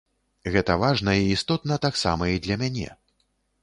Гэта важна і істотна таксама і для мяне.